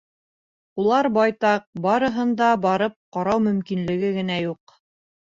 Улар байтаҡ, барыһын да барып ҡарау мөмкинлеге генә юҡ.